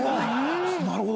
なるほど。